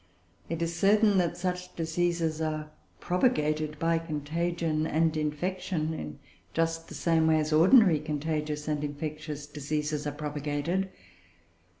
It is certain that such diseases are propagated by contagion and infection, in just the same way as ordinary contagious and infectious diseases are propagated.